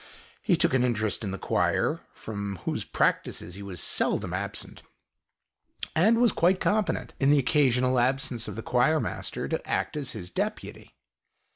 He took an interest in the choir, from whose practices he was seldom absent; and was quite competent, in the occasional absence of the choirmaster, to act as his deputy.